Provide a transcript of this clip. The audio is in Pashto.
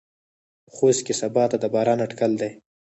په خوست کې سباته د باران اټکل دى.